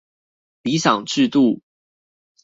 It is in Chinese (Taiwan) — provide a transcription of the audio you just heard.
理想制度